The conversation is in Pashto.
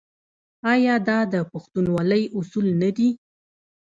آیا دا د پښتونولۍ اصول نه دي؟